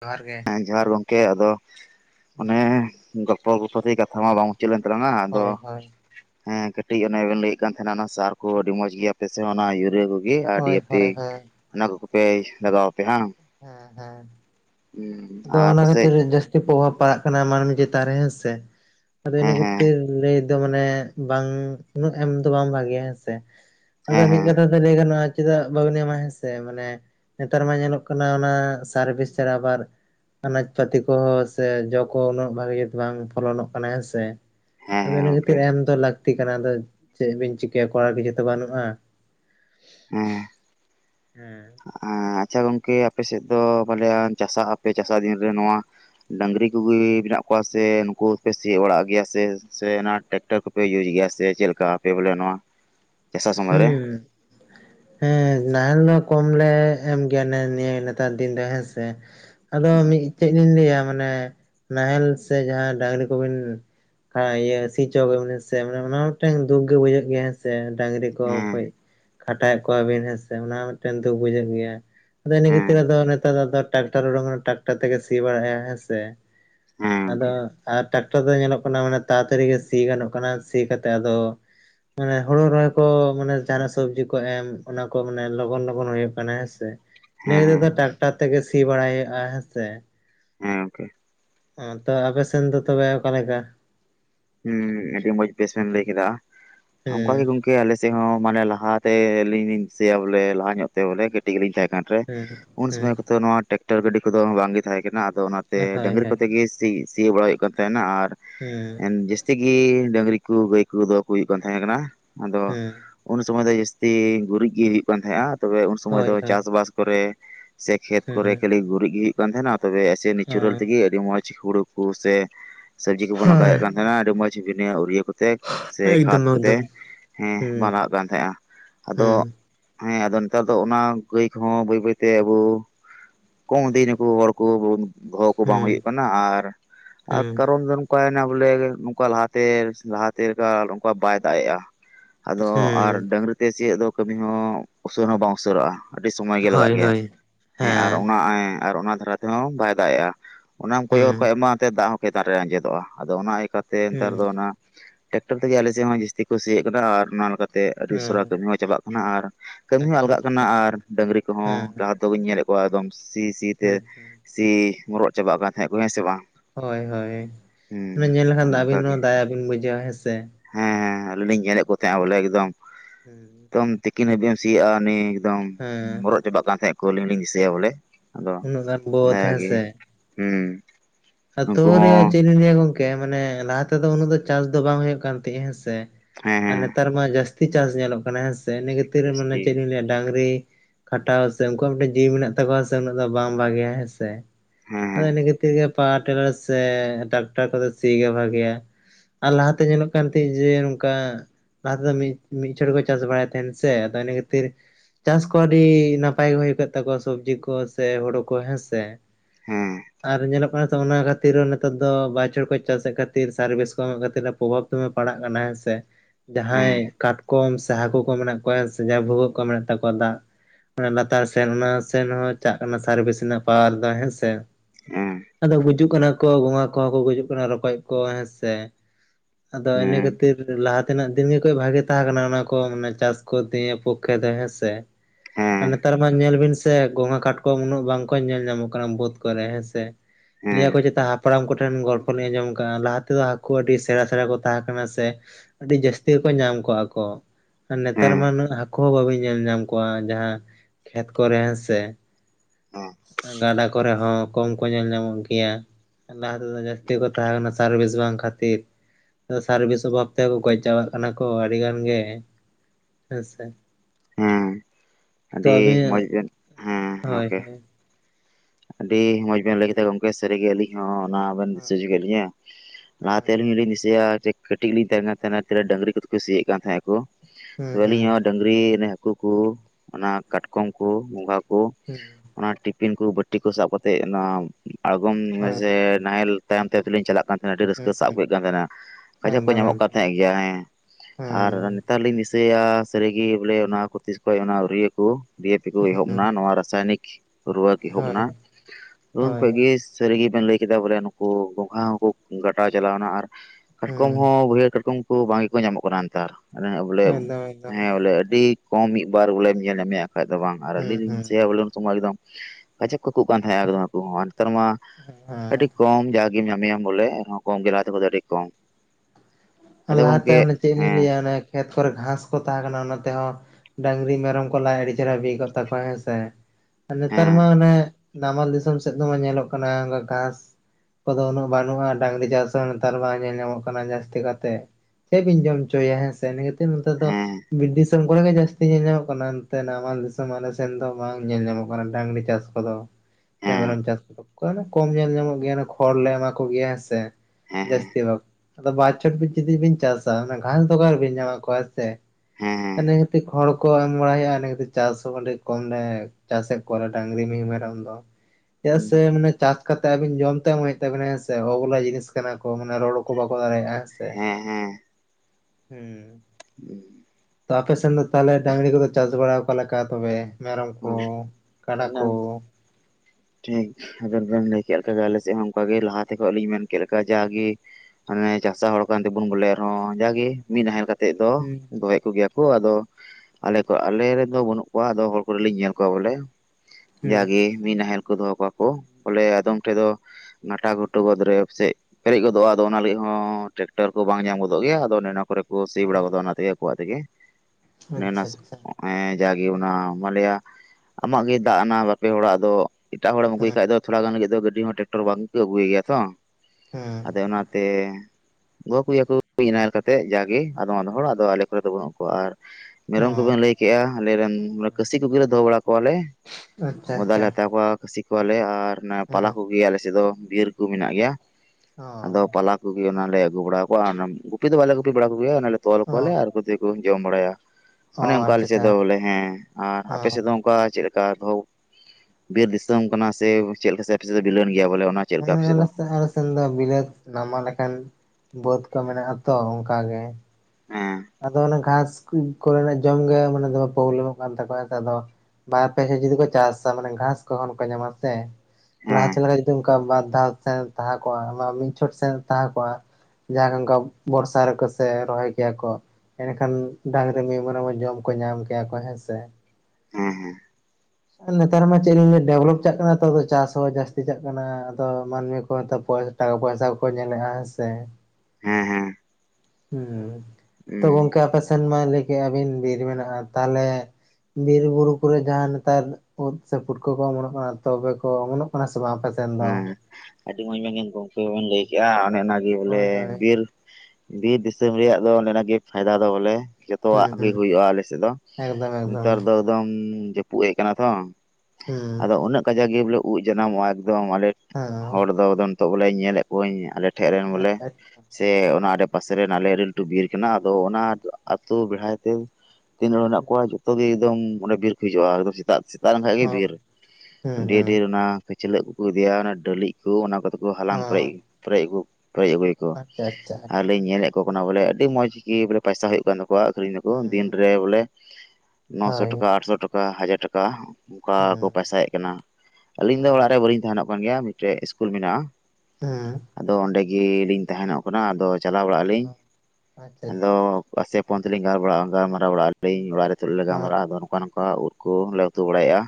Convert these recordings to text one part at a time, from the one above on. ᱡᱚᱦᱟᱨ ᱜᱮ ᱦᱮᱸ ᱡᱚᱦᱟᱨ ᱜᱚᱢᱠᱮ ᱟᱫᱚ ᱚᱱᱮ ᱜᱚᱞᱯᱚ ᱜᱚᱞᱯᱚ ᱛᱮᱜᱮ ᱠᱟᱛᱷᱟ ᱢᱟ ᱵᱟᱝᱼᱼ ᱪᱮᱫ ᱞᱟᱝ ᱛᱚᱨᱟᱝᱼᱟ ᱟᱫᱚ ᱦᱳᱭ ᱦᱳᱭ ᱦᱮᱸ ᱠᱟᱹᱴᱤᱡ ᱚᱱᱟ ᱵᱮᱱ ᱞᱟᱹᱭᱮᱫ ᱠᱟᱱ ᱛᱟᱦᱮᱱᱟ ᱚᱱᱟ ᱥᱟᱨ ᱠᱚ ᱟᱹᱰᱤ ᱢᱚᱸᱡᱽ ᱜᱮᱭᱟ ᱟᱯᱮ ᱥᱮ ᱚᱱᱟ ᱤᱭᱩᱨᱤᱭᱟ ᱠᱚᱜᱮ ᱟᱨ ᱦᱳᱭ ᱰᱤᱭᱮᱯᱤ ᱦᱳᱭ ᱦᱳᱭ ᱚᱱᱟᱠᱚ ᱠᱚᱯᱮ ᱞᱟᱜᱟᱣ ᱟᱯᱮ ᱦᱟᱝ? ᱦᱮᱸ ᱦᱮᱸ ᱦᱩᱸ ᱟᱫᱚ ᱟᱨ ᱚᱱᱟ ᱯᱟᱥᱮᱡ ᱠᱷᱟᱹᱛᱤᱨ ᱡᱟᱹᱥ ᱛᱤ ᱯᱚᱦᱟ ᱯᱟᱲᱟᱜ ᱠᱟᱱᱟ ᱢᱟᱹᱱᱢᱤ ᱪᱮᱛᱟᱱ ᱨᱮ ᱦᱮᱸᱥᱮ ᱟᱫᱚ ᱤᱱᱟᱹ ᱦᱮᱸ ᱦᱮᱸ ᱠᱷᱟᱹᱛᱤᱨ, ᱞᱟᱹᱭ ᱫᱚ ᱢᱟᱱᱮ ᱵᱟᱝ ᱩᱱᱟᱹᱜ ᱮᱢ ᱫᱚ ᱵᱟᱝ ᱵᱷᱟᱜᱮᱭᱟ ᱦᱮᱸᱥᱮ᱾ ᱟᱫᱚ ᱦᱮᱸ ᱢᱤᱫ ᱦᱮᱸ ᱠᱟᱛᱷᱟ ᱛᱮ ᱞᱟᱹᱭ ᱜᱟᱱᱚᱜᱼᱟ ᱪᱮᱫᱟᱜ ᱵᱟᱹᱵᱮᱱ ᱮᱢᱟ ᱦᱮᱸᱥᱮ, ᱢᱟᱱᱮ ᱱᱮᱛᱟᱨ ᱢᱟ ᱧᱮᱞᱚᱜ ᱠᱟᱱᱟ ᱚᱱᱟ ᱥᱟᱨᱵᱤᱥ ᱪᱷᱟᱨᱟ ᱟᱵᱟᱨ ᱟᱱᱟᱡᱽ ᱯᱟᱹᱛᱤ ᱠᱚᱦᱚᱸ ᱥᱮ ᱡᱚ ᱠᱚ ᱩᱱᱟᱹᱜ ᱵᱷᱟᱜᱤ ᱵᱟᱝ ᱯᱷᱚᱞᱚᱱᱚᱜ ᱠᱟᱱᱟ ᱦᱮᱸᱥᱮ᱾ ᱦᱮᱸ ᱟᱫᱚ ᱦᱮᱸ ᱤᱱᱟᱹ ᱜᱚᱝᱠᱮ ᱠᱷᱟᱹᱛᱤᱨ ᱮᱢ ᱫᱚ ᱞᱟᱹᱠᱛᱤ ᱠᱟᱱᱟ ᱟᱫᱚ ᱪᱮᱫ ᱵᱤᱱ ᱪᱤᱠᱟᱹᱭᱟ ᱠᱚᱨᱟᱨ ᱠᱤᱪᱷᱩᱛᱚ ᱵᱟᱹᱱᱩᱜᱼᱟ᱾ ᱦᱮᱸ᱾ ᱦᱮᱸ᱾ ᱟᱻ ᱟᱪᱷᱟ ᱜᱚᱝᱠᱮ ᱟᱯᱮ ᱥᱮᱫ ᱫᱚ ᱵᱟᱞᱮᱭᱟᱱ ᱪᱟᱥᱟᱜ ᱟᱯᱮ ᱪᱟᱥᱟ ᱫᱤᱱ ᱨᱮ ᱱᱚᱣᱟ ᱰᱟᱹᱝᱨᱤ ᱠᱚᱜᱮ ᱢᱮᱱᱟᱜ ᱠᱚᱣᱟ ᱥᱮ ᱱᱩᱠᱩ ᱯᱮ ᱥᱤᱭᱚᱜ ᱵᱟᱲᱟᱜ ᱜᱮᱭᱟ ᱥᱮ ᱥᱮ ᱚᱱᱟ ᱴᱮᱠ ᱴᱟ ᱠᱚᱯᱮ ᱤᱭᱩᱡ ᱜᱮᱭᱟ ᱥᱮ ᱪᱮᱫ ᱞᱮᱠᱟ ᱟᱯᱮ ᱵᱚᱞᱮ ᱱᱚᱣᱟ ᱪᱟᱥᱟ ᱥᱚᱢᱚᱭ ᱨᱮ ᱦᱚᱸ [inaudible] ᱦᱮᱸ ᱱᱟᱦᱮᱞ ᱫᱚ ᱠᱚᱢᱞᱮ ᱮᱢ ᱜᱮᱭᱟ ᱱᱮ ᱱᱤᱭᱟᱹ ᱱᱮᱛᱟᱨ ᱫᱤᱱ ᱫᱚ ᱦᱮᱸᱥᱮ᱾ ᱟᱫᱚ ᱢᱤᱫ ᱪᱮᱫ ᱞᱤᱧ ᱞᱟᱹᱭᱟ ᱢᱟᱱᱮ ᱱᱟᱦᱮᱞ ᱥᱮ ᱡᱟᱦᱟᱸ ᱰᱟᱝᱨᱤ ᱠᱚᱵᱤᱱ ᱠᱷᱟ ᱤᱭᱟᱹ ᱥᱤ ᱦᱚᱪᱟ ᱠᱟᱫᱟᱵᱤᱱ ᱦᱮᱸᱥᱮ ᱚᱱᱟ ᱦᱚᱸ ᱢᱤᱫᱴᱟᱝ ᱫᱩᱠ ᱜᱮ ᱵᱩᱡᱷᱟᱹᱜ ᱜᱮᱭᱟ ᱦᱮᱸᱥᱮ᱾ ᱰᱟᱹᱝᱨᱤ ᱠᱟᱹᱡ ᱦᱮᱸ ᱠᱷᱟᱴᱟᱭᱮᱫ ᱠᱚᱣᱟ ᱵᱤᱱ ᱦᱮᱸᱥᱮ ᱚᱱᱟ ᱦᱚᱸ ᱢᱤᱫᱴᱮᱱ ᱫᱩᱠ ᱵᱩᱡᱷᱟᱹᱜ ᱜᱮᱭᱟ᱾ ᱟᱫᱚ ᱤᱱᱟ ᱦᱮᱸ ᱠᱷᱟᱛᱤᱨ ᱟᱫᱚ ᱱᱮᱛᱟᱨ ᱫᱟ ᱟᱫᱚ ᱴᱟᱠᱴᱟᱨ ᱩᱰᱩᱱᱝ ᱟᱠᱟᱱᱟ ᱴᱟᱠᱴᱟᱨ ᱛᱮᱜᱮ ᱥᱤ ᱵᱟᱨᱟ ᱮᱭᱟ ᱦᱮᱸᱥᱮ᱾ ᱦᱮᱸ ᱟᱫᱚ ᱜᱚᱝᱠᱮ ᱟᱨ ᱴᱟᱠᱴᱟᱨ ᱫᱚ ᱧᱮᱞᱚᱜ ᱠᱟᱱᱟ ᱢᱟᱱᱮ ᱛᱟᱲᱟᱛᱟᱲᱤ ᱜᱮ ᱥᱤ ᱜᱟᱱᱚᱜ ᱠᱟᱱᱟ ᱥᱤ ᱠᱟᱛᱮᱜ ᱟᱫᱚ ᱢᱟᱱᱮ ᱦᱩᱲᱩ ᱨᱚᱦᱚᱭ ᱠᱚ ᱢᱟᱱᱮ ᱡᱟᱦᱟᱱᱟᱜ ᱥᱚᱵᱡᱤ ᱠᱚ ᱮᱢ ᱚᱱᱟ ᱠᱚ ᱢᱟᱱᱮ ᱞᱚᱜᱚᱱ ᱞᱚᱜᱚᱱ ᱦᱩᱭᱩᱜ ᱠᱟᱱᱟ ᱦᱮᱸᱥᱮ᱾ ᱤᱱᱟᱹ ᱦᱮᱸ ᱠᱷᱟᱛᱤᱨ ᱦᱮᱸ ᱫᱚ ᱴᱟᱠᱴᱟᱨ ᱛᱮᱜᱮ ᱥᱤ ᱵᱟᱲᱟᱭ ᱦᱩᱭᱩᱜᱼᱟ ᱦᱮᱸᱥᱮ᱾ ᱦᱮᱸ ᱜᱚᱝᱠᱮ᱾ ᱚ ᱛᱚ ᱟᱯᱮ ᱥᱮᱱ ᱫᱚ ᱛᱚᱵᱮ ᱚᱠᱟᱞᱮᱠᱟ? ᱦᱚᱸ ᱟᱹᱰᱤ ᱢᱚᱸᱡᱽ ᱵᱮᱥ ᱮᱢ ᱞᱟᱹᱭ ᱠᱮᱫᱟ᱾ ᱚᱱᱠᱟ ᱜᱮ ᱦᱩᱸ ᱜᱚᱝᱠᱮ ᱜᱚᱝᱠᱮ ᱟᱞᱮᱥᱮᱭ ᱦᱚᱸ ᱢᱟᱱᱮ ᱞᱟᱦᱟ ᱛᱮ ᱟᱞᱤᱧ ᱞᱤᱧ ᱫᱤᱥᱟᱹᱭᱟ ᱵᱚᱞᱮ ᱞᱟᱦᱟ ᱧᱚᱜ ᱛᱮ ᱵᱚᱞᱮ ᱠᱟᱹᱴᱤᱡ ᱜᱮᱞᱤᱧ ᱛᱟᱦᱮᱸᱠ ᱠᱟᱱ ᱨᱮ ᱦᱩᱸ ᱩᱱ ᱦᱩᱸ ᱥᱚᱢᱚᱭ ᱠᱚᱛᱮ ᱱᱚᱣᱟ ᱴᱮᱠᱴᱟᱨ ᱜᱟᱹᱰᱤ ᱠᱚᱫᱚ ᱵᱟᱝᱜᱮ ᱛᱟᱦᱮᱸ ᱠᱟᱱᱟ᱾ ᱟᱫᱚ ᱚᱱᱟ ᱛᱮ ᱦᱳᱭ ᱰᱟᱹᱝᱨᱤ ᱦᱳᱭ ᱠᱚᱛᱮ ᱜᱮ ᱥᱤ ᱥᱤᱭᱳ ᱵᱟᱲᱟ ᱦᱩᱭᱩᱜ ᱠᱟᱱ ᱛᱟᱦᱮᱱᱟ ᱟᱨ ᱦᱩᱸᱻ ᱡᱟᱹᱥᱛᱤ ᱜᱮ ᱰᱟᱝᱨᱤ ᱠᱚ ᱜᱟᱹᱭ ᱠᱚ ᱫᱚ ᱠᱚ ᱦᱩᱭᱩᱜ ᱠᱟᱱ ᱛᱟᱦᱮᱸ ᱠᱟᱱᱟ᱾ ᱟᱫᱚ ᱦᱩᱸ ᱩᱱ ᱥᱚᱢᱚᱭ ᱫᱚ ᱡᱟᱹᱥᱛᱤ ᱜᱩᱨᱤᱡ ᱜᱮ ᱦᱩᱭᱩᱜ ᱠᱟᱱ ᱛᱟᱦᱮᱸᱼᱟ᱾ ᱛᱚᱵᱮ ᱩᱱ ᱥᱚᱢᱚᱭ ᱦᱳᱭ ᱫᱚ ᱦᱳᱭ ᱪᱟᱥᱼᱵᱟᱥ ᱠᱚᱨᱮ ᱥᱮ ᱠᱷᱮᱛ ᱦᱩᱸ ᱠᱚᱨᱮ ᱠᱷᱟᱹᱞᱤ ᱜᱩᱨᱤᱡ ᱜᱮ ᱦᱩᱭᱩᱜ ᱠᱟᱱ ᱛᱟᱦᱮᱱᱟ ᱛᱚᱵᱮ ᱮᱥᱮ ᱱᱤᱪᱩᱨᱟᱞ ᱦᱮᱸ ᱛᱮᱜᱮ ᱟᱹᱰᱤ ᱢᱚᱸᱡᱽ ᱦᱩᱲᱩ᱾ ᱠᱚ ᱥᱮ ᱥᱚᱵᱽᱡᱤ ᱠᱚᱵᱚᱱ ᱞᱟᱜᱟᱣᱮᱫ ᱦᱳᱭ ᱠᱟᱱ ᱛᱟᱦᱮ ᱠᱟᱱᱟ ᱟᱹᱰᱤ ᱢᱚᱸᱡᱽ ᱵᱤᱱᱟ ᱟᱨᱤᱭᱟᱹ ᱠᱚᱛᱮ᱾ ᱥᱮ ᱠᱷᱟᱫᱽ ᱮᱠᱫᱚᱢ ᱠᱚᱛᱮ ᱮᱠᱫᱚᱢ ᱦᱮᱸ ᱦᱩᱸ ᱵᱟᱝ ᱞᱟᱜᱟ ᱠᱟᱱ ᱛᱟᱦᱮᱼᱟ ᱟᱫᱚ᱾ ᱦᱩᱸ ᱦᱮᱸ ᱟᱫᱚ ᱱᱮᱛᱟᱨ ᱫᱚ ᱚᱱᱟ ᱜᱟᱹᱭ ᱠᱚᱦᱚᱸ ᱵᱟᱹᱭ ᱵᱟᱹᱭ ᱛᱮ ᱟᱵᱚ᱾ ᱠᱚᱢ ᱫᱤᱱ ᱠᱩ ᱦᱚᱲ ᱠᱚ ᱫᱚᱦᱚ ᱠᱚ ᱵᱟᱝ ᱦᱩᱸ ᱦᱩᱭᱩᱜ ᱠᱟᱱᱟ ᱟᱨ ᱦᱩᱸ ᱠᱟᱨᱚᱱ ᱫᱚ ᱱᱚᱝᱠᱟ ᱮᱱᱟ᱾ ᱵᱚᱞᱮ ᱱᱚᱝᱠᱟ ᱞᱟᱦᱟᱛᱮ ᱞᱟᱦᱟᱛᱮ ᱞᱮᱠᱟ ᱱᱚᱝᱠᱟ ᱵᱟᱭ ᱫᱟᱜ ᱮᱼᱟ᱾ ᱟᱫᱚ ᱟᱨ ᱦᱩᱸ ᱰᱟᱹᱝᱨᱤ ᱛᱮ ᱥᱤᱭᱳᱫ ᱫᱚ ᱠᱟᱹᱢᱤ ᱦᱚᱸ ᱩᱥᱟᱹᱨᱟ ᱦᱚᱸ ᱵᱟᱝ ᱩᱥᱟᱹᱨᱚᱜᱼᱟ ᱾ ᱟᱹᱰᱤ ᱥᱚᱢᱚᱭ ᱜᱮ ᱦᱳᱭ ᱞᱟᱜᱟᱜ ᱜᱮᱭᱟ ᱦᱳᱭ ᱦᱮᱸ ᱟᱨ ᱚᱱᱟ ᱟᱨ ᱚᱱᱟ ᱫᱷᱟᱨᱮ ᱛᱮᱦᱚᱸ ᱵᱟᱭ ᱫᱟᱜ ᱮᱫᱼᱟ ᱾ ᱚᱱᱟᱢ ᱠᱚᱭᱚᱜ ᱦᱩᱸ ᱦᱚᱨ ᱠᱷᱚᱡ ᱮᱢᱟᱛᱮᱫ ᱫᱟᱜ ᱦᱚᱸ ᱠᱷᱮᱛ ᱨᱮ ᱟᱸᱡᱮᱫᱚᱜᱼᱟ ᱟᱫᱚ ᱚᱱᱟ ᱤᱭᱟᱹᱛᱮ ᱱᱮᱛᱟᱨ ᱦᱩᱸ ᱫᱚ ᱚᱱᱟ ᱴᱮᱠᱴᱟᱨ ᱛᱮᱜᱮ ᱟᱞᱮ ᱥᱮᱫ ᱦᱚᱸ ᱡᱟᱹᱥᱛᱤ ᱠᱩ ᱥᱤᱭᱟᱜ ᱠᱟᱱᱟ ᱟᱨ ᱚᱱᱟ ᱞᱮᱠᱟᱛᱮ ᱟᱹᱰᱤ ᱩᱥᱟᱹᱨᱟ ᱦᱩᱸ ᱠᱟᱹᱢᱤ ᱦᱚᱸ ᱪᱟᱵᱟᱜ ᱠᱟᱱᱟ ᱾ ᱟᱨ ᱠᱟᱹᱢᱤ ᱦᱚᱸ ᱟᱪᱪᱷᱟ ᱟᱞᱜᱟᱜ ᱠᱟᱱᱟ ᱟᱪᱪᱷᱟ ᱟᱨ ᱰᱟᱹᱝᱨᱤ ᱠᱚᱦᱚᱸ ᱦᱮᱸ ᱞᱟᱦᱟ ᱛᱮᱦᱚᱸ ᱵᱟᱹᱧ ᱧᱮᱞᱮᱫ ᱠᱚᱣᱟ ᱮᱠᱫᱚᱢ ᱥᱤ ᱥᱤ ᱛᱮ ᱦᱩᱸ ᱦᱩᱸ ᱥᱤ ᱢᱚᱨᱚᱜ ᱪᱟᱵᱟᱜ ᱠᱟᱱ ᱛᱟᱦᱮᱸᱫ ᱠᱚ ᱦᱮᱸ ᱥᱮ ᱵᱟᱝ ᱦᱳᱭ ᱦᱳᱭ ᱦᱮᱸ ᱧᱮᱞ ᱞᱮᱠᱷᱟᱱ ᱚᱱᱮ ᱫᱚ ᱚᱱᱠᱟ ᱟᱹᱵᱤᱱ ᱜᱮ ᱦᱚᱸ ᱫᱟᱭᱟᱵᱤᱱ ᱵᱩᱡᱷᱟᱹᱣᱟ ᱦᱮᱸ ᱥᱮ ᱾ ᱦᱮᱸ ᱦᱮᱸ ᱟᱞᱧᱮᱞᱤᱧ ᱧᱮᱞᱮᱫ ᱠᱚ ᱛᱟᱦᱮᱸᱱᱟ ᱵᱚᱞᱮ ᱮᱠᱫᱚᱢ ᱦᱮᱸ [unintelligible] ᱮ ᱛᱤᱠᱤᱱ ᱦᱟᱹᱵᱤᱡ ᱮᱢ ᱥᱤᱭᱟᱜᱼᱟ ᱮᱠᱫᱚᱢ ᱦᱮᱸ ᱢᱚᱨᱚᱜ ᱪᱟᱵᱟᱜ ᱠᱟᱱ ᱛᱟᱦᱮᱸᱫ ᱠᱚ ᱟᱞᱤᱧ ᱞᱤᱧ ᱫᱤᱥᱟᱹᱭᱟ ᱵᱚᱞᱮ ᱾ ᱟᱫᱚ ᱩᱱᱟᱹᱜ ᱜᱟᱱ ᱵᱟᱹᱫᱽ ᱫᱟᱭᱟᱜᱮ ᱦᱩᱸ ᱟᱹᱛᱳ ᱨᱮ ᱪᱮᱫ ᱞᱤᱧ ᱞᱟᱹᱭᱟ ᱜᱚᱝᱠᱮ ᱢᱟᱱᱮ ᱞᱟᱦᱟ ᱛᱮᱫᱚ ᱩᱱᱟᱹᱜ ᱫᱚ ᱪᱟᱥ ᱫᱚ ᱵᱟᱝ ᱦᱩᱭᱩᱜ ᱠᱟᱱ ᱛᱟᱦᱮᱸᱫ ᱦᱮᱸᱥᱮ ᱦᱮᱸ ᱾ ᱟᱨ ᱦᱮᱸ ᱱᱮᱛᱟᱨ ᱢᱟ ᱡᱟᱹᱥᱛᱤ ᱪᱟᱥ ᱧᱮᱞᱚᱜ ᱠᱟᱱᱟ ᱦᱮᱸᱥᱮ ᱤᱱᱟᱹ ᱠᱷᱟᱹᱛᱤᱨ ᱢᱟᱱᱮ ᱡᱟᱹᱥᱛᱤ ᱪᱮᱫ ᱤᱧ ᱞᱟᱹᱭᱟ ᱰᱟᱝᱨᱤ ᱠᱷᱟᱴᱟᱣ ᱥᱮ ᱩᱱᱠᱩᱣᱟᱜ ᱢᱤᱫᱴᱮᱱ ᱡᱤᱣᱤ ᱢᱮᱱᱟᱜ ᱛᱟᱠᱚᱣᱟ ᱥᱮ ᱩᱱᱟᱹᱜ ᱫᱚ ᱵᱟᱝ ᱵᱷᱟᱜᱮᱭᱟ ᱦᱮᱸ ᱥᱮ ᱟᱫᱚ ᱦᱮᱸ ᱤᱱᱟᱹ ᱠᱷᱟᱹᱛᱤᱨ ᱜᱮ ᱯᱟᱳᱭᱟᱨᱴᱤᱞᱟᱨ ᱥᱮ ᱴᱟᱠᱴᱟᱨ ᱠᱚᱛᱮ ᱥᱤ ᱜᱮ ᱵᱷᱟᱜᱮᱭᱟ ᱾ ᱟᱨ ᱞᱟᱦᱟᱛᱮ ᱧᱮᱞᱚᱜ ᱠᱟᱱ ᱛᱟᱦᱮᱸ ᱡᱮ ᱱᱚᱝᱠᱟ ᱞᱟᱦᱟ ᱛᱮᱫᱚ ᱢᱤᱫ ᱢᱤᱫ ᱪᱷᱚᱴ ᱠᱚ ᱪᱟᱥ ᱵᱟᱲᱟᱭ ᱛᱟᱦᱮᱱ ᱥᱮ ᱟᱫᱚ ᱤᱱᱟᱹ ᱠᱷᱟᱹᱛᱤᱨ ᱪᱟᱥ ᱠᱚ ᱟᱹᱰᱤ ᱱᱟᱯᱟᱭ ᱜᱮ ᱦᱩᱭ ᱠᱚᱜ ᱛᱟᱠᱚᱣᱟ ᱥᱚᱵᱽᱡᱤ ᱠᱚ ᱥᱮ ᱦᱳᱲᱳ ᱠᱚ ᱦᱮᱸ ᱥᱮ ᱦᱮᱸ ᱾ ᱟᱨ ᱧᱮᱞᱚᱜ ᱠᱟᱱᱟ ᱚᱱᱟ ᱠᱷᱟᱹᱛᱤᱨ ᱦᱚᱸ ᱱᱮᱛᱟᱨ ᱫᱚ ᱵᱚᱨ ᱪᱷᱚᱲ ᱠᱚ ᱪᱟᱥᱮᱫ ᱠᱷᱟᱹᱛᱤᱨ ᱥᱟᱨᱵᱷᱤᱥ ᱠᱚ ᱮᱢᱮᱫ ᱠᱷᱟᱹᱛᱤᱨ ᱯᱨᱚᱵᱷᱟᱵᱽ ᱫᱚᱢᱮ ᱯᱟᱲᱟᱜ ᱠᱟᱱᱟ ᱦᱮᱸᱥᱮ ᱾ ᱡᱟᱦᱟᱸᱭ ᱦᱮᱸ ᱠᱟᱴᱠᱚᱢ ᱥᱮ ᱦᱟᱹᱠᱩ ᱠᱚ ᱢᱮᱱᱟᱜ ᱠᱚᱣᱟ ᱥᱮ ᱡᱟᱦᱟᱸᱟ ᱵᱷᱩᱜᱟᱹᱜ ᱠᱚ ᱢᱮᱱᱟᱜ ᱛᱟᱠᱚᱣᱟ ᱫᱟᱜ ᱞᱟᱛᱟᱨ ᱥᱮᱱ ᱚᱱᱟ ᱥᱮᱱ ᱦᱚᱸ ᱪᱟᱜ ᱠᱟᱱᱟ ᱥᱟᱨᱵᱷᱤᱥ ᱨᱮᱱᱟᱜ ᱯᱟᱣᱟᱨ ᱫᱚ ᱦᱮᱸ ᱥᱮ ᱾ ᱦᱮᱸ ᱟᱫᱚ ᱜᱩᱡᱩᱜ ᱠᱟᱱᱟ ᱠᱚ ᱜᱚᱸᱜᱟ ᱠᱚᱦᱚᱸ ᱠᱚ ᱜᱩᱡᱩᱜ ᱠᱟᱱᱟ ᱨᱚᱠᱚᱡ ᱠᱚ ᱦᱮᱸ ᱥᱮ ᱾ ᱟᱫᱚ ᱤᱱᱟᱹ ᱦᱮᱸ ᱠᱷᱟᱹᱛᱤᱨ ᱞᱟᱦᱟᱛᱮ ᱛᱤᱱᱟᱹᱜ ᱫᱤᱱᱜᱮᱠᱚ ᱵᱷᱟᱜᱤ ᱛᱟᱦᱮᱸ ᱠᱟᱱᱟ ᱚᱱᱟ ᱠᱚ ᱢᱟᱱᱮ ᱪᱟᱥ ᱠᱚ ᱫᱤᱭᱮ ᱯᱚᱠᱠᱷᱮ ᱫᱚ ᱦᱮᱸ ᱥᱮ ᱾ ᱦᱮᱸ ᱟᱨ ᱱᱮᱛᱟᱨ ᱢᱟ ᱧᱮᱞ ᱵᱤᱱ ᱥᱮ ᱜᱚᱝᱜᱜᱷᱟ ᱠᱟᱴᱠᱳᱢ ᱩᱱᱟᱹᱜ ᱵᱟᱝ ᱠᱚ ᱧᱮᱞ ᱧᱟᱢᱚᱜ ᱠᱟᱱᱟ ᱵᱟᱹᱫ ᱠᱚᱨᱮ ᱦᱮᱸᱥᱮ ᱦᱮᱸ ᱦᱮᱸ ᱞᱟᱹᱭᱟ ᱠᱚ ᱪᱮᱛ ᱦᱟᱯᱲᱟᱢ ᱠᱚᱴᱷᱮᱱ ᱜᱚᱞᱯᱷᱚ ᱞᱤᱧ ᱟᱸᱡᱚᱢ ᱟᱠᱟᱫᱟᱼᱟ ᱞᱟᱦᱟ ᱛᱮᱫᱚ ᱦᱟᱹᱠᱩ ᱟᱹᱰᱤ ᱥᱮᱬᱟ ᱥᱮᱬᱟ ᱠᱚ ᱛᱟᱦᱮᱸ ᱠᱟᱱᱟ ᱥᱮ ᱾ ᱟᱹᱰᱤ ᱡᱟᱹᱥᱛᱤ ᱜᱮᱠᱚ ᱧᱟᱢ ᱠᱚᱜᱼᱟ ᱠᱚ ᱾ ᱟᱨ ᱱᱮᱛᱟᱨ ᱦᱮᱸ ᱢᱟ ᱩᱱᱟᱹᱜ ᱦᱟᱹᱠᱩ ᱦᱚᱸ ᱵᱟᱹᱵᱤᱱ ᱧᱮᱞ ᱧᱟᱢ ᱠᱚᱣᱟ ᱡᱟᱦᱟᱸ ᱠᱷᱮᱛ ᱠᱚᱨᱮ ᱦᱮᱸᱥᱮ ᱦᱮᱸ ᱾ ᱜᱟᱰᱟ ᱠᱚᱨᱮ ᱦᱚᱸ ᱠᱚᱢ ᱠᱚ ᱧᱮᱞ ᱧᱟᱢᱚᱜ ᱜᱮᱭᱟ ᱾ ᱠᱮᱭᱟ ᱞᱟᱦᱟ ᱛᱮᱫᱚ ᱡᱟᱹᱥᱛᱤ ᱠᱚ ᱛᱟᱦᱮᱸ ᱠᱟᱱᱟ ᱥᱟᱨᱵᱷᱤᱥ ᱵᱟᱝ ᱠᱷᱟᱹᱛᱤᱨ ᱾ ᱥᱟᱨᱵᱷᱤᱥ ᱚᱵᱷᱟᱵ ᱛᱮᱠᱚ ᱜᱚᱡ ᱪᱟᱵᱟᱜ ᱠᱟᱱᱟ ᱠᱚ ᱟᱹᱰᱤ ᱜᱟᱱ ᱜᱮ ᱾ ᱦᱮᱸ ᱥᱮ ᱦᱮᱸ ᱟᱹᱰᱤ ᱢᱚᱡᱽ ᱵᱮᱱ ᱦᱮᱸ ᱦᱳᱭ ᱜᱚᱢᱠᱮ ᱦᱳᱭ ᱟᱹᱰᱤ ᱢᱚᱸᱡᱽ ᱵᱮᱱ ᱞᱟᱹᱭ ᱠᱮᱫᱟ ᱜᱚᱢᱠᱮ ᱥᱟᱹᱨᱤᱜᱮ ᱟᱹᱞᱤᱧ ᱦᱚᱸ ᱚᱱᱟ ᱵᱮᱱ ᱫᱤᱥᱟᱹ ᱦᱚᱪᱚ ᱠᱮᱫ ᱞᱤᱧᱟ ᱾ ᱞᱟᱦᱟ ᱛᱮ ᱦᱮᱸ ᱟᱹᱞᱤᱧ ᱞᱤᱧ ᱫᱤᱥᱟᱹᱭᱟ ᱡᱮ ᱠᱟᱹᱴᱤᱡ ᱞᱤᱧ ᱛᱟᱦᱮᱸ ᱠᱟᱱᱟ ᱛᱟᱦᱮᱸᱱᱟ ᱛᱤᱱᱟᱹᱜ ᱰᱟᱝᱨᱤ ᱠᱚᱫᱚ ᱠᱩ ᱥᱤᱭᱮᱫ ᱠᱟᱱ ᱛᱟᱦᱮᱸ ᱠᱚ ᱾ ᱦᱮᱸ ᱛᱚᱵᱮ ᱦᱮᱸ ᱟᱹᱞᱤᱧ ᱦᱚᱸ ᱰᱟᱹᱝᱨᱤ ᱦᱟᱹᱠᱩ ᱠᱩ ᱚᱱᱟ ᱠᱟᱴᱠᱚᱢ ᱠᱚ ᱵᱚᱸᱜᱟ ᱦᱮᱸ ᱚᱱᱟ ᱴᱤᱯᱷᱤᱱ ᱠᱚ ᱵᱴᱤᱠᱩ ᱥᱟᱵ ᱠᱟᱛᱮᱮᱫ ᱚᱱᱟ ᱟᱲᱜᱚᱢ ᱦᱮᱸ ᱥᱮ ᱱᱟᱦᱮᱞ ᱛᱟᱭᱚᱢ ᱛᱮ ᱛᱤᱧ ᱪᱟᱞᱟᱜ ᱠᱟᱱ ᱟᱹᱰᱤ ᱨᱟᱹᱥᱠᱟᱹ ᱦᱮᱸ ᱥᱟᱵ ᱦᱮᱸ ᱦᱩᱭᱩᱜ ᱠᱟᱱ ᱛᱟᱦᱮᱸᱱᱟ ᱛᱟᱦᱮᱸᱱᱟ ᱠᱟᱡᱟᱠ ᱠᱚ ᱮᱠᱫᱚᱢ ᱧᱟᱢᱚᱜ ᱠᱟᱱ ᱮᱠᱫᱚᱢ ᱛᱟᱦᱮᱸᱫ ᱜᱮᱭᱟ ᱦᱮᱸ ᱟᱨ ᱦᱮᱸ ᱱᱮᱛᱟᱨ ᱞᱤᱧ ᱥᱮ ᱥᱟᱹᱨᱤᱜᱮ ᱵᱚᱞᱮ ᱚᱱᱟ ᱠᱚ ᱛᱤᱥ ᱠᱷᱚᱡ ᱚᱱᱟ ᱤᱭᱟᱹ ᱠᱚ ᱰᱤᱭᱮ ᱯᱤ ᱠᱚ ᱮᱦᱚᱵ ᱮᱱᱟ ᱦᱮᱸ ᱱᱚᱣᱟ ᱨᱟᱥᱟᱭᱚᱱᱤᱠ ᱨᱩᱣᱟᱹ ᱮᱦᱚᱵ ᱦᱳᱭ ᱮᱱᱟ ᱩᱱ ᱦᱳᱭ ᱠᱷᱚᱱᱜᱤ ᱥᱟᱹᱨᱤ ᱜᱮᱵᱤᱱ ᱞᱟᱹᱭ ᱠᱮᱫᱟ ᱵᱚᱞᱮ ᱱᱩᱠᱩ ᱜᱚᱝᱜᱷᱟ ᱦᱚᱸᱠᱚ ᱜᱟᱴᱟᱣ ᱪᱟᱞᱟᱣᱮᱱᱟ ᱟᱨ ᱠᱟᱴᱠᱚᱢ ᱦᱮᱸ ᱦᱚᱸ ᱵᱟᱹᱭᱦᱟᱹᱲ ᱠᱟᱴᱠᱚᱢ ᱠᱚ ᱵᱟᱝ ᱜᱮᱠᱚ ᱧᱟᱢᱚᱜ ᱠᱟᱱᱟ ᱱᱮᱛᱟᱨ ᱵᱚᱞᱮ ᱮᱠᱫᱚᱢ ᱮᱠᱫᱚᱢ ᱦᱮᱸ ᱵᱚᱞᱮ ᱟᱹᱰᱤ ᱠᱚᱢ ᱢᱤᱫ ᱵᱟᱨ ᱵᱚᱞᱮᱢ ᱧᱮᱞ ᱧᱟᱢᱮᱭᱟ ᱠᱷᱟᱡᱽ ᱫᱚ ᱵᱟᱝ ᱟᱨ ᱦᱮᱸ ᱟᱹᱞᱤᱧ ᱞᱤᱧ ᱦᱮᱸ ᱞᱟᱹᱭᱟ ᱵᱚᱞᱮ ᱩᱱ ᱥᱚᱢᱚᱭ ᱮᱠᱫᱚᱢ ᱜᱟᱡᱟᱠ ᱠᱚ ᱦᱟᱠᱩᱜ ᱠᱟᱱ ᱛᱟᱦᱮᱸ ᱦᱟᱹᱠᱩ ᱱᱮᱛᱟᱨ ᱢᱟ ᱦᱮᱸ ᱟᱹᱰᱤ ᱠᱚᱢ ᱡᱟᱠ ᱜᱮᱢ ᱧᱟᱢᱤᱭᱟᱢ ᱵᱚᱞᱮ ᱮᱱᱨᱮᱦᱚ ᱠᱚᱢ ᱜᱮ [unintelligible] ᱠᱚᱢ ᱟᱫᱚ ᱞᱟᱦᱟᱛᱮ ᱜᱚᱝᱠᱮ ᱚᱱᱮ ᱪᱮᱫ ᱤᱧ ᱦᱮᱸ ᱞᱟᱹᱭᱟ ᱚᱱᱮ ᱠᱷᱮᱛ ᱠᱚᱨᱮ ᱜᱷᱟᱸᱥ ᱠᱚ ᱛᱟᱦᱮᱸ ᱠᱟᱱᱟ ᱚᱱᱟ ᱛᱮᱦᱚᱸ ᱰᱟᱝᱨᱤ ᱢᱮᱨᱚᱢ ᱠᱚ ᱞᱟᱡ ᱟᱹᱰᱤ ᱪᱮᱦᱨᱟ ᱵᱤ ᱠᱚᱜ ᱛᱟᱠᱚᱣᱟ ᱦᱮᱸᱥᱮ ᱱᱮᱛᱟᱨ ᱦᱮᱸ ᱢᱟ ᱚᱱᱮ ᱱᱟᱢᱟᱞ ᱫᱤᱥᱚᱢ ᱥᱮᱫ ᱫᱚᱢᱮ ᱧᱮᱞᱚᱜ ᱠᱟᱱᱟ ᱜᱷᱟᱸᱥ ᱠᱚᱫᱚ ᱩᱱᱟᱹᱜ ᱵᱟᱹᱱᱩᱜ-ᱟ ᱰᱟᱝᱨᱤ ᱪᱟᱥ ᱦᱚᱸ ᱱᱮᱛᱟᱨ ᱵᱟᱝ ᱧᱮᱞ ᱧᱟᱢᱚᱜ ᱠᱟᱱᱟ ᱡᱟᱹᱥᱛᱤ ᱠᱟ ᱪᱮᱫ ᱵᱤᱱᱡᱚᱢ ᱦᱚᱪᱚᱮᱭᱟ ᱦᱮᱸ ᱥᱮ ᱤᱱᱟᱹ ᱠᱷᱟᱹᱛᱤᱨ ᱱᱮᱛᱟᱨ ᱫᱚ ᱦᱮᱸ ᱵᱤᱨ [inaudible] ᱫᱤᱥᱚᱢ ᱠᱚᱨᱮ ᱜᱮ ᱡᱟᱹᱥᱛᱤ ᱧᱮᱞ ᱧᱟᱢᱚᱜ ᱠᱟᱱᱟ ᱚᱱᱛᱮ ᱱᱟᱢᱟᱞ ᱫᱤᱥᱚᱢ ᱟᱞᱮ ᱥᱮᱱ ᱫᱚ ᱵᱟᱝ ᱧᱮᱞ ᱧᱟᱢᱚᱜ ᱠᱟᱱᱟ ᱰᱟᱝᱨᱤ ᱪᱟᱥ ᱠᱚᱫᱚ ᱥᱮ ᱦᱮᱸ ᱢᱮᱨᱚᱢ ᱪᱟᱥ ᱠᱚᱢ ᱧᱮᱞ ᱧᱟᱢᱚᱜ ᱜᱮᱭᱟ ᱠᱷᱚᱲ ᱞᱮ ᱮᱢᱟ ᱠᱚᱜᱮᱭᱟ ᱦᱮᱸ ᱥᱮ ᱦᱮᱸ ᱦᱮᱸ ᱡᱟᱹᱥᱛᱤ ᱵᱷᱟᱜᱽ ᱟᱫᱚ ᱵᱟᱨ ᱪᱷᱚᱴ ᱡᱩᱫᱤ ᱵᱤᱱ ᱪᱟᱥᱟ ᱚᱱᱟ ᱜᱷᱟᱸᱥ ᱫᱚ ᱚᱠᱟ ᱨᱮᱵᱤᱱ ᱧᱟᱢᱟ ᱠᱚᱣᱟ ᱦᱮᱸ ᱥᱮ ᱦᱮᱸ ᱚᱱᱟ ᱤᱭᱟᱹ ᱛᱮ ᱠᱷᱚᱲ ᱠᱚ ᱮᱢ ᱵᱟᱲᱟᱭ ᱦᱳᱭᱳᱜ-ᱟ ᱤᱱᱟᱹ ᱠᱷᱟᱛᱤᱨ ᱪᱟᱥ ᱦᱚᱸ ᱟᱹᱰᱤ ᱠᱚᱢ ᱞᱮ ᱪᱟᱥᱮᱫ ᱠᱚᱣᱟ ᱰᱟᱝᱨᱤ ᱢᱤᱦᱩ ᱢᱮᱨᱚᱢ ᱠᱚ ᱪᱮᱫᱟᱜ ᱥᱮ ᱢᱟᱱᱮ ᱪᱟᱥ ᱠᱟᱛᱮ ᱟᱵᱤᱱ ᱡᱚᱢ ᱛᱚ ᱮᱢᱟᱭ ᱛᱟᱵᱤᱱᱟ ᱦᱮᱸᱥᱮ ᱚᱵᱚᱞᱟ ᱡᱤᱱᱤᱥ ᱠᱟᱱᱟ ᱠᱚ ᱢᱟᱱᱮ ᱨᱚᱲ ᱠᱚ ᱵᱟᱠᱚ ᱫᱟᱲᱮᱭᱟᱜ-ᱟ ᱦᱮᱸ ᱥᱮ ᱦᱮᱸ ᱦᱮᱸ ᱛᱚ ᱟᱯᱮᱥᱮᱱ ᱫᱚ ᱛᱟᱦᱚᱞᱮ ᱰᱟᱝᱨᱤ ᱠᱚᱫᱚ ᱪᱟᱥ ᱵᱟᱲᱟ ᱚᱠᱟ ᱞᱮᱠᱟ ᱛᱚᱵᱮ ᱢᱮᱨᱚᱢ ᱠᱚ ᱦᱮᱸ ᱠᱟᱰᱟ ᱚᱱᱟ ᱠᱚ ᱴᱷᱤᱠ ᱟᱵᱮᱱ ᱵᱮᱱ ᱞᱟᱹᱭ ᱠᱮᱫ ᱞᱮᱠᱟ ᱟᱞᱮᱥᱮᱫ ᱦᱚᱸ ᱚᱱᱠᱟᱜᱮ ᱞᱟᱦᱟᱛᱮ ᱛᱚᱠᱷᱚᱡ ᱞᱤᱧ ᱢᱮᱱ ᱠᱮᱫ ᱞᱮᱠᱟ ᱡᱟᱜᱮ ᱢᱟᱱᱮ ᱪᱟᱥᱟ ᱦᱚᱲ ᱠᱟᱱ ᱛᱮᱵᱚᱱ ᱵᱚᱞᱮ ᱟᱨᱦᱚᱸ ᱡᱟᱜᱮ ᱢᱤᱫ ᱱᱟᱦᱮᱞ ᱠᱟᱛᱮᱜ ᱫᱚ ᱦᱩᱸ ᱫᱚᱦᱚᱭᱮᱫ ᱠᱚᱜᱮᱭᱟ ᱠᱚ ᱟᱫᱚ ᱟᱞᱮ ᱠᱚ ᱟᱞᱮ ᱨᱮᱱ ᱫᱚ ᱵᱟᱹᱱᱩᱜ ᱠᱚᱣᱟ ᱟᱫᱚ ᱦᱚᱲ ᱠᱚᱨᱮᱞᱤᱧ ᱧᱮᱞ ᱠᱚᱣᱟ ᱵᱚᱞᱮ ᱦᱩᱸ ᱡᱟᱜᱮ ᱢᱤᱫ ᱱᱟᱦᱮᱞ ᱠᱚ ᱫᱚᱦᱚ ᱠᱚᱣᱟ ᱠᱚ ᱵᱚᱞᱮ ᱟᱫᱚᱢ ᱴᱷᱮᱡ ᱫᱚ ᱜᱷᱟᱴᱟ ᱜᱷᱩᱴᱩ ᱵᱟᱹᱫᱽᱨᱮ ᱯᱟᱥᱮᱫ ᱯᱮᱨᱮᱡ ᱜᱚᱫᱚᱜ-ᱟ ᱟᱫᱚ ᱚᱱᱟ ᱞᱟᱹᱜᱤᱫ ᱦᱚᱸ ᱴᱮᱠᱴᱟᱨ ᱠᱚ ᱵᱟᱝ ᱧᱟᱢ ᱜᱚᱫᱚᱜ ᱜᱮᱭᱟ ᱟᱫᱚ ᱚᱱᱟ ᱠᱚᱨᱮ ᱠᱚ ᱥᱤ ᱵᱟᱲᱟ ᱜᱚᱫᱟ ᱦᱩᱸ ᱚᱱᱟ ᱛᱮᱜᱮ ᱟᱠᱚᱣᱟᱜ ᱛᱮᱜᱮ [inaudible] ᱚᱱᱮ ᱚᱱᱟ ᱟᱪᱪᱷᱟ ᱟᱪᱪᱷᱟ ᱦᱮ ᱡᱟᱜᱮ ᱚᱱᱟ ᱢᱟᱱᱞᱮᱭᱟ ᱟᱢᱟᱜ ᱜᱮ ᱫᱟᱜ ᱮᱱᱟ ᱵᱟᱨᱯᱮ ᱦᱚᱲᱟᱜ ᱫᱚ ᱮᱴᱟᱜ ᱦᱚᱲᱮᱢ ᱟᱹᱜᱩᱭ ᱦᱮᱸ ᱠᱷᱟᱡ ᱫᱚ ᱛᱷᱚᱲᱟ ᱜᱟᱱ ᱞᱟᱜᱤᱫ ᱫᱚ ᱜᱟᱹᱰᱤ ᱦᱚᱸ ᱴᱨᱟᱠᱴᱚᱨ ᱵᱟᱝ ᱠᱚ ᱟᱹᱜᱩᱭ ᱜᱮᱭᱟ ᱛᱚ ᱦᱮᱸ ᱟᱫᱚ ᱚᱱᱟᱛᱮ ᱜᱚᱜ ᱟᱜᱩᱭᱟᱠᱚ ᱥᱤ ᱱᱟᱦᱮᱞ ᱠᱟᱛᱮᱫ ᱡᱟᱜᱮ ᱟᱫᱚᱢ ᱟᱫᱚᱢ ᱦᱚᱲ ᱟᱫᱚ ᱟᱞᱮ ᱠᱚᱨᱮ ᱫᱚ ᱵᱟᱹᱱᱩᱜ ᱠᱚᱣᱟ ᱟᱨ ᱚ ᱢᱮᱨᱚᱢ ᱠᱚᱵᱮᱱ ᱞᱟᱹᱭ ᱠᱮᱫ-ᱟ ᱟᱞᱮᱨᱮᱱ ᱠᱟᱹᱥᱤ ᱠᱚᱜᱮᱞᱮ ᱫᱚᱦᱚ ᱵᱟᱲᱟ ᱠᱚᱣᱟᱞᱮ ᱟᱪᱪᱷᱟ ᱟᱫᱚ ᱟᱪᱪᱷᱟ ᱞᱮ ᱦᱟᱛᱟᱣ ᱠᱚᱣᱟ ᱠᱷᱟᱹᱥᱤ ᱠᱚᱣᱟᱞᱮ ᱟᱨ ᱚᱱᱟ ᱯᱟᱞᱟ ᱦᱮᱸ ᱠᱚᱜᱮ ᱟᱞᱮ ᱥᱮᱫ ᱫᱚ ᱵᱤᱨ ᱠᱚ ᱢᱮᱱᱟᱜ ᱜᱮᱭᱟ ᱚ ᱟᱫᱚ ᱯᱟᱞᱟ ᱚᱱᱟ ᱞᱮ ᱟᱹᱜᱩ ᱵᱟᱲᱟ ᱠᱚᱣᱟ ᱜᱩᱯᱤ ᱫᱚ ᱵᱟᱞᱮ ᱜᱩᱯᱤ ᱵᱟᱲᱟ ᱠᱚᱜᱮᱭᱟ ᱚᱱᱟ ᱞᱮ ᱛᱚᱞ ᱚ ᱟᱠᱚᱣᱟ ᱞᱮ ᱟᱨ [inaudible] ᱡᱚᱢ ᱵᱟᱲᱟᱭᱟ ᱚ ᱚᱱᱮ ᱚᱱᱠᱟ ᱟᱪᱪᱷᱟ ᱟᱞᱮ ᱥᱮᱫ ᱟᱪᱪᱷᱟ ᱫᱚ ᱵᱚᱞᱮ ᱦᱮᱸ ᱟᱨ ᱟᱯᱮ ᱥᱮᱫ ᱚ ᱫᱚ ᱚᱱᱠᱟ ᱪᱮᱫ ᱞᱮᱠᱟ ᱵᱤᱨ ᱫᱤᱥᱚᱢ ᱠᱟᱱᱟ ᱥᱮ ᱪᱮᱫ ᱞᱮᱠᱟ ᱵᱤᱞᱟᱹᱱ ᱜᱮᱭᱟ ᱵᱚᱞᱮ ᱚᱱᱟ ᱪᱮᱫ ᱞᱮᱠᱟ ᱦᱮᱸ ᱟᱯᱮ ᱥᱮᱫ ᱫᱚ? ᱟᱞᱮᱥᱮᱫ ᱥᱮᱱ ᱫᱚ ᱵᱤᱞᱟᱹᱛ ᱱᱟᱢᱟᱞ ᱞᱮᱠᱟᱱ ᱵᱟᱹᱫᱽ ᱠᱚ ᱢᱮᱱᱟᱜ-ᱟ ᱛᱚ ᱚᱱᱠᱟ ᱜᱮ ᱦᱮᱸ ᱟᱫᱚ ᱚᱱᱟ ᱜᱷᱟᱸᱥ ᱠᱚᱨᱮᱱᱟᱜ ᱡᱚᱢ ᱜᱮ ᱢᱟᱱᱮ ᱫᱚᱢᱮ ᱯᱨᱚᱵᱞᱮᱢᱚᱜ ᱠᱟᱱ ᱛᱟᱠᱚᱣᱟ ᱟᱫᱚ ᱵᱟᱨ ᱯᱮ ᱦᱮᱸ ᱡᱩᱫᱤ ᱠᱚ ᱪᱟᱥᱟ ᱢᱟᱱᱮ ᱜᱷᱟᱥ ᱠᱚᱦᱚ ᱱᱚᱝᱠᱟ ᱧᱟᱢᱟ ᱥᱮ ᱦᱮᱸ ᱞᱟᱦᱟᱛᱮ ᱞᱮᱠᱟ ᱡᱩᱫᱤᱢ ᱵᱟᱨ ᱫᱷᱟᱣ ᱥᱮᱱ ᱛᱟᱦᱮᱸ ᱠᱚᱜ-ᱟ ᱢᱤᱫ ᱪᱷᱚᱴ ᱥᱮᱱ ᱛᱟᱦᱮᱸ ᱠᱚᱜ-ᱟ ᱡᱟ ᱚᱱᱠᱟ ᱵᱚᱨᱥᱟ ᱨᱮᱠᱚ ᱥᱮ ᱨᱚᱦᱚᱭ ᱠᱮᱭᱟ ᱠᱚ ᱮᱱᱠᱷᱟᱱ ᱰᱟᱝᱨᱤ ᱢᱤᱦᱩ ᱢᱮᱨᱚᱢ ᱦᱚ ᱡᱚᱢ ᱠᱚ ᱧᱟᱢ ᱠᱮᱭᱟ ᱠᱚ ᱦᱮᱸ ᱥᱮ ᱦᱮᱸ ᱦᱮᱸ ᱱᱮᱛᱟᱨ ᱢᱟ ᱪᱮᱫ ᱤᱧ ᱞᱟᱹᱭᱟ ᱰᱮᱵᱷᱞᱚᱯ ᱪᱟᱜ ᱠᱟᱱᱟ ᱛᱚ ᱟᱫᱚ ᱪᱟᱥ ᱦᱚᱸ ᱡᱟᱹᱥᱛᱤ ᱪᱟᱜ ᱠᱟᱱᱟ ᱟᱫᱚ ᱢᱟᱹᱱᱢᱤ ᱠᱚ ᱴᱟᱠᱟ ᱯᱚᱭᱥᱟ ᱠᱚ ᱧᱮᱞᱮᱜ-ᱟ ᱦᱮᱸ ᱥᱮ ᱦᱮᱸ ᱦᱮᱸ ᱦᱮᱸ ᱦᱮᱸ ᱛᱚ ᱜᱚᱝᱠᱮ ᱟᱯᱮ ᱥᱮᱱ ᱢᱟ ᱞᱟᱹᱭ ᱠᱮᱜ-ᱟ ᱵᱤᱱ ᱵᱤᱨ ᱢᱮᱱᱟᱜ-ᱟ ᱛᱟᱦᱚᱞᱮ ᱵᱤᱨ ᱵᱩᱨᱩ ᱠᱚᱨᱮ ᱡᱟᱦᱟᱸ ᱱᱮᱛᱟᱨ ᱩᱫ ᱥᱮ ᱯᱩᱴᱠᱟᱹ ᱠᱚ ᱚᱢᱚᱱᱚᱜ ᱠᱟᱱᱟ ᱛᱚᱵᱮ ᱠᱚ ᱚᱢᱚᱱᱚᱜ ᱠᱟᱱᱟ ᱥᱮ ᱵᱟᱝ ᱟᱯᱮ ᱥᱮᱱ ᱫᱚ ᱦᱮᱸ ᱟᱹᱰᱤ ᱢᱚᱸᱡᱽ [unintelligible] ᱜᱚᱝᱠᱮ ᱵᱮᱱ ᱞᱟᱹᱭ ᱠᱮᱫ-ᱟ ᱚᱱᱮ ᱚᱱᱟᱜᱮ ᱵᱚᱞᱮ ᱦᱳᱭ ᱦᱳᱭ ᱵᱤᱨ ᱵᱤᱨ ᱫᱤᱥᱚᱢ ᱨᱮᱭᱟᱜ ᱫᱚ ᱚᱱᱮ ᱚᱱᱟᱜᱮ ᱜᱮ ᱯᱷᱟᱭᱫᱟ ᱫᱚ ᱵᱚᱞᱮ ᱦᱩᱸ ᱡᱚᱛᱚᱣᱟᱜ ᱜᱮ ᱦᱩᱸ ᱦᱩᱭᱩᱜ-ᱟ ᱟᱞᱮᱥᱮᱫ ᱫᱚ ᱮᱠᱫᱚᱢ ᱮᱠᱫᱚᱢ ᱱᱮᱛᱟᱨ ᱫᱚ ᱮᱠᱫᱚᱢ ᱡᱟᱹᱯᱩᱫ ᱦᱮᱡ ᱟᱠᱟᱱᱟ ᱛᱚ ᱦᱩᱸ ᱟᱫᱚ ᱩᱱᱟᱹᱜ ᱠᱟᱡᱟᱠ ᱜᱮ ᱵᱚᱞᱮ ᱩᱫᱽ ᱡᱟᱱᱟᱢᱚᱜ-ᱟ ᱮᱠᱫᱚᱢ ᱟᱞᱮ ᱦᱮᱸ ᱦᱚᱲ ᱫᱚ ᱱᱤᱛᱚᱜ ᱵᱚᱞᱮ ᱧᱮᱞᱮᱫ ᱠᱚᱣᱟᱧ ᱟᱞᱮ ᱴᱷᱮᱡ ᱨᱮᱱ ᱵᱚᱞᱮ ᱟᱪᱪᱷᱟ ᱟᱪᱪᱷᱟ ᱥᱮ ᱚᱱᱟ ᱟᱰᱮ ᱯᱟᱥᱮᱨᱮ ᱟᱞᱮ ᱟᱹᱰᱤ ᱞᱟᱹᱴᱩ ᱵᱤᱨ ᱠᱟᱱᱟ ᱟᱫᱚ ᱚᱱᱟ ᱟᱹᱛᱩ ᱵᱮᱲᱦᱟᱭ ᱛᱮ ᱛᱤᱱ ᱦᱚᱲ ᱦᱮᱱᱟᱜ ᱠᱚᱣᱟ ᱡᱚᱛᱚ ᱜᱮ ᱮᱠᱫᱚᱢ ᱚᱸᱰᱮ ᱵᱤᱨ ᱠᱚ ᱦᱤᱡᱩᱜ-ᱟ ᱮᱠᱫᱚᱢ ᱥᱮᱛᱟᱜ ᱥᱮᱛᱟᱜ ᱞᱮᱱ ᱠᱷᱟᱡ ᱜᱮ ᱚ ᱵᱤᱨ ᱦᱩᱸ ᱰᱷᱮᱨ ᱦᱩᱸ ᱰᱷᱮᱨ ᱚᱱᱟ ᱠᱷᱟᱹᱪᱞᱟᱹᱜ ᱠᱚᱠᱚ ᱤᱫᱤᱭᱟ ᱚᱱᱟ ᱰᱟᱹᱞᱤᱡ ᱠᱚ ᱚᱱᱟᱛᱮ ᱚ ᱦᱟᱞᱟᱝ ᱯᱮᱨᱮᱡ ᱯᱮᱨᱮᱡ ᱯᱮᱨᱮᱡ ᱟᱹᱜᱩᱭᱟᱠᱚ ᱟᱪᱪᱷᱟ ᱟᱪᱪᱷᱟ ᱟᱨ ᱟᱪᱪᱷᱟ ᱞᱟᱹᱭ ᱧᱮᱞᱮᱫ ᱠᱚᱣᱟ ᱠᱩ ᱠᱟᱱᱟ ᱵᱚᱞᱮ ᱟᱹᱰᱤ ᱢᱚᱸᱡᱽ ᱜᱮ ᱵᱚᱞᱮ ᱯᱟᱭᱥᱟ ᱦᱩᱭᱩᱜ ᱠᱟᱱ ᱛᱟᱠᱚᱣᱟ ᱟᱠᱷᱟᱨᱤᱧᱟᱠᱚ ᱦᱩᱸ ᱫᱤᱱᱨᱮ ᱵᱚᱞᱮ ᱱᱚᱥᱚ ᱦᱳᱭ ᱴᱟᱠᱟ ᱟᱴᱥᱚ ᱴᱟᱠᱟ ᱦᱟᱡᱟᱨ ᱴᱟᱠᱟ ᱚᱱᱠᱟ ᱠᱚ ᱦᱩᱸ ᱯᱚᱭᱥᱟᱭᱮᱫ ᱠᱟᱱᱟ ᱟᱞᱤᱧ ᱫᱚ ᱚᱲᱟᱜ ᱦᱳᱭ ᱨᱮ ᱵᱟᱹᱞᱤᱧ ᱛᱟᱦᱮᱱᱚᱜ ᱠᱟᱱ ᱜᱮᱭᱟ ᱢᱤᱫᱴᱮᱡ ᱤᱥᱠᱩᱞ ᱢᱮᱱᱟᱜ-ᱟ ᱦᱮᱸ ᱟᱫᱚ ᱚᱸᱰᱮ ᱜᱮᱞᱤᱧ ᱛᱟᱦᱮᱱᱚᱜ ᱠᱟᱱᱟ ᱟᱫᱚ ᱪᱟᱞᱟᱣ ᱵᱟᱲᱟᱜ-ᱟᱞᱤᱧ ᱟᱫᱚ ᱵᱟᱥᱛᱮ ᱯᱷᱳᱱ ᱛᱮᱞᱤᱧ ᱜᱟᱞᱢᱟᱨᱟᱜ-ᱟ ᱜᱟᱞᱢᱟᱣ ᱚᱲᱟᱜ ᱨᱮᱞᱤᱧ ᱚᱲᱟᱜ ᱨᱮ ᱛ ᱜᱟᱞᱢᱟᱜ-ᱟ ᱟᱫᱚ ᱱᱚᱠᱟ ᱱᱚᱝᱠᱟ ᱠᱚ ᱩᱛᱩ ᱵᱟᱲᱟᱭᱮᱫ-ᱟ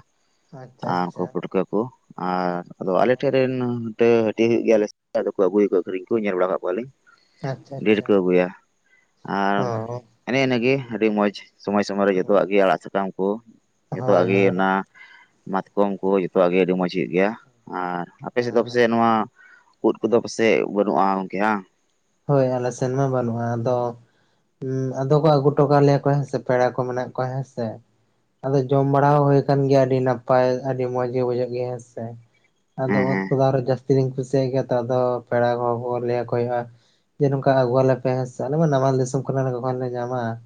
ᱟᱨᱠᱩ ᱯᱩᱴᱠᱟᱹ ᱠᱚ ᱟᱨ ᱟᱫᱚ ᱟᱞᱮ ᱴᱷᱮᱱᱨᱮ ᱨᱮᱱ ᱦᱟᱱᱛᱮ ᱦᱟᱹᱴᱤᱭᱟ ᱦᱩᱭᱩᱜ ᱜᱮᱭᱟᱞᱮ ᱟᱫᱚ ᱠᱚ ᱟᱹᱜᱩᱭᱮᱫ ᱠᱚᱣᱟ ᱟᱹᱠᱷᱨᱤᱧ ᱠᱚ ᱧᱮᱞ ᱵᱟᱲᱟᱭᱮᱫ ᱠᱚᱣᱟᱞᱤᱧ ᱰᱷᱮᱨ ᱟᱪᱪᱷᱟ ᱠᱚ ᱟᱹᱜᱩᱭᱟ ᱟᱨ ᱮᱱᱮ ᱮᱱᱹᱜᱮ ᱟᱹᱰᱤ ᱢᱚᱸᱡᱽ ᱥᱚᱢᱳᱭ ᱥᱚᱢᱳᱭ ᱨᱮ ᱡᱚᱛᱚᱣᱟᱜ ᱜᱮ ᱟᱲᱟᱜ ᱥᱟᱠᱟᱢ ᱠᱚ ᱡᱚᱛᱚᱣᱟᱜ ᱦᱳᱭ ᱜᱮ ᱦᱳᱭ ᱦᱮᱸ ᱚᱱᱟ ᱢᱟᱛᱠᱚᱢ ᱠᱚ ᱡᱚᱛᱚᱣᱟᱜ ᱜᱮ ᱟᱹᱰᱤ ᱢᱚᱸᱡᱽ ᱦᱩᱭᱩᱜ ᱜᱮᱭᱟ ᱟᱨ ᱟᱯᱮ ᱥᱮᱫ ᱫᱚ ᱯᱟᱥᱮᱡ ᱱᱚᱣᱟ ᱩᱫ ᱠᱚᱫᱚ ᱯᱟᱥᱮᱡ ᱵᱟᱹᱱᱩᱜ-ᱟ ᱜᱚᱝᱠᱮ ᱦᱟ ᱦᱳᱭ ᱟᱞᱮ ᱥᱮᱱ ᱢᱟ ᱵᱟᱹᱱᱩᱜ-ᱟ ᱟᱫᱚ ᱦᱩ ᱟᱫᱚ ᱠᱚ ᱟᱹᱜᱩ ᱦᱚᱴᱚ ᱠᱟᱞᱮᱭᱟ ᱠᱚ ᱦᱮᱸᱥᱮ ᱯᱮᱲᱟ ᱠᱚ ᱢᱮᱱᱟᱜ ᱠᱚᱣᱟ ᱦᱮᱸ ᱥᱮ ᱟᱫᱚ ᱡᱚᱢ ᱵᱟᱲᱟ ᱦᱚᱸ ᱦᱩᱭ ᱟᱠᱟᱱ ᱜᱮᱭᱟ ᱟᱹᱰᱤ ᱱᱟᱯᱟᱭ ᱟᱹᱰᱤ ᱢᱚᱸᱡᱽ ᱜᱮ ᱵᱩᱡᱷᱟᱹᱜ ᱜᱮᱭᱟ ᱦᱮᱸᱥᱮ ᱟᱫᱚ ᱦᱮᱸ ᱦᱮᱸ ᱩᱱᱠᱩᱫᱚ ᱟᱨᱚ ᱡᱟᱹᱥᱛᱤᱧ ᱠᱩᱥᱤᱭᱟᱜ ᱜᱮᱭᱟ ᱛᱚ ᱟᱫᱚ ᱯᱮᱲᱟ ᱠᱚ ᱦᱚᱲ ᱠᱚ ᱞᱟᱹᱭᱟᱠᱚ ᱦᱩᱭᱩᱜ-ᱟ ᱡᱮ ᱱᱚᱝᱠᱟ ᱟᱹᱜᱩᱣᱟᱞᱮ ᱯᱮ ᱦᱮᱥᱮ ᱟᱞᱮ ᱢᱟ ᱱᱟᱢᱟᱞ ᱫᱤᱥᱚᱢ ᱠᱟᱱᱟ ᱞᱮ ᱚᱠᱟ ᱠᱷᱚᱱ ᱞᱮ ᱧᱟᱢᱟ ᱦᱮᱥᱮ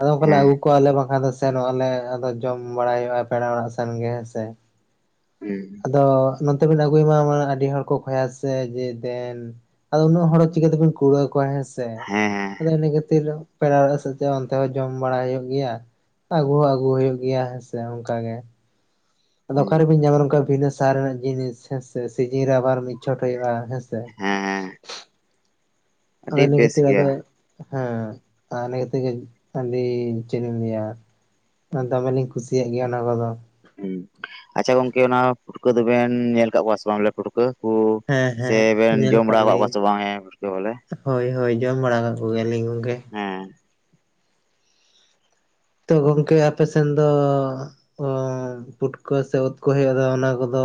ᱟᱫᱚ ᱚᱱᱠᱟ ᱞᱮ ᱦᱮᱸ ᱟᱹᱜᱩ ᱠᱚᱣᱟᱞᱮ ᱵᱟᱝᱠᱷᱟᱱ ᱥᱮᱱᱚᱜ ᱟᱞᱮ ᱟᱫᱚ ᱡᱚᱢ ᱵᱟᱲᱟᱭ ᱦᱩᱭᱩᱜ-ᱟ ᱯᱮᱲᱟ ᱚᱲᱟᱜ ᱥᱮᱱ ᱜᱮ ᱦᱮᱸ ᱥᱮ ᱦᱩᱸ ᱟᱫᱚ ᱱᱚᱛᱮ ᱵᱤᱱ ᱟᱹᱜᱩᱭ ᱢᱟ ᱟᱹᱰᱤ ᱦᱚᱲ ᱠᱚ ᱠᱷᱚᱭ ᱟᱥᱮ ᱡᱮ ᱫᱮᱱ ᱟᱫᱚ ᱩᱱᱟᱹᱜ ᱦᱚᱲ ᱪᱤᱠᱟᱹ ᱛᱮᱵᱮᱱ ᱠᱩᱲᱟᱣ ᱠᱚᱣᱟ ᱦᱮᱸᱥᱮ ᱦᱮᱸ ᱟᱫᱚ ᱤᱱᱟᱹ ᱠᱷᱟᱹᱛᱤᱨ ᱯᱮᱲᱟ ᱚᱲᱟᱜ ᱥᱮᱫᱛᱮ ᱚᱱᱛᱮ ᱦᱚᱸ ᱡᱚᱢ ᱵᱟᱲᱟ ᱦᱩᱭᱩᱜ ᱜᱮᱭᱟ ᱟᱹᱜᱩ ᱦᱚᱸ ᱟᱹᱜᱩ ᱦᱩᱭᱩᱜ ᱜᱮᱭᱟ ᱦᱮᱸᱥᱮ ᱚᱱᱠᱟ ᱜᱮ ᱟᱫᱚ ᱦᱮᱸ ᱚᱠᱟᱨᱮ ᱵᱤᱱ ᱧᱟᱢᱟ ᱱᱚᱝᱠᱟ ᱵᱷᱤᱱᱟᱹ ᱥᱟᱨ ᱨᱮᱱᱟᱜ ᱡᱤᱱᱤᱥ ᱦᱮᱸ ᱥᱮ ᱥᱤᱡᱤᱱ ᱨᱮ ᱟᱵᱟᱨ ᱢᱤᱫ ᱪᱷᱚᱴ ᱦᱩᱭᱩᱜ-ᱟ ᱦᱮᱸ ᱥᱮ ᱦᱮᱸ ᱦᱮᱸ ᱟᱫᱚ ᱟᱹᱰᱤ ᱱᱤᱭᱟ ᱵᱮᱥ ᱠᱷᱟᱹᱛᱤᱨ ᱜᱮᱭᱟ ᱟᱫᱚ ᱦᱮᱸ ᱟᱨ ᱱᱤᱭᱟᱹ ᱛᱮ ᱜᱮ ᱟᱹᱰᱤ ᱪᱮᱫᱞᱤᱧ ᱞᱟᱹᱭᱟ ᱫᱚᱢᱮᱞᱤᱧ ᱠᱩᱥᱤᱭᱟᱜ ᱜᱮᱭᱟ ᱚᱱᱟ ᱠᱚᱫᱚ ᱦᱩᱸ ᱟᱪᱪᱷᱟ ᱜᱚᱝᱠᱮ ᱚᱱᱟ ᱯᱷᱩᱴᱠᱟᱹ ᱫᱚᱵᱮᱱ ᱧᱮᱞ ᱟᱠᱟᱫ ᱠᱚᱣᱟ ᱥᱮ ᱵᱟᱝ ᱵᱚᱞᱮ ᱯᱷᱩᱴᱠᱟᱹ ᱠᱳ ᱦᱮᱸ ᱦᱮᱸ ᱥᱮᱵᱮᱱ ᱧᱮᱞ ᱡᱚᱢ ᱵᱟᱲᱟ ᱠᱟᱜ ᱟᱠᱟᱫ ᱞᱤᱧ ᱠᱚᱣᱟ ᱥᱮ ᱵᱟᱝ ᱦᱮ ᱯᱩᱴᱠᱟᱹ ᱵᱚᱞᱮ ᱦᱳᱭ ᱦᱳᱭ ᱡᱚᱢ ᱵᱟᱲᱟ ᱠᱟᱜ ᱠᱚᱜᱮᱭᱟᱞᱤᱧ ᱜᱚᱢᱠᱮ ᱦᱮᱸ ᱛᱚ ᱜᱚᱝᱠᱮ ᱟᱯᱮᱥᱮᱱ ᱫᱚ ᱚ ᱯᱩᱴᱠᱟᱹ ᱥᱮ ᱩᱫ ᱠᱚ ᱦᱩᱭᱩᱜ-ᱟ ᱚᱱᱟ ᱠᱚᱫᱚ